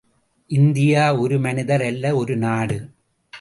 India ஒரு மனிதர் அல்ல ஒரு நாடு.